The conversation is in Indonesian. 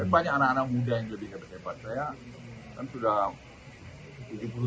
banyak anak anak muda yang lebih hebat hebat saya kan sudah